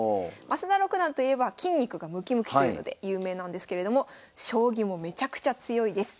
増田六段といえば筋肉がムキムキというので有名なんですけれども将棋もめちゃくちゃ強いです。